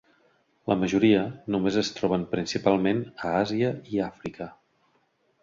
La majoria només es troben principalment a Àsia i Àfrica.